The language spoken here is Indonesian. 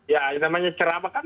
ya namanya ceramah kan